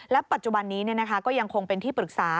ปัจจุบันนี้ก็ยังคงเป็นที่ปรึกษา